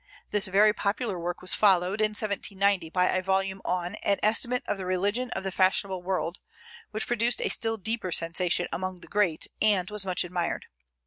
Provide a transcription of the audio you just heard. This very popular work was followed, in 1790, by a volume on an "Estimate of the Religion of the Fashionable World," which produced a still deeper sensation among the great, and was much admired.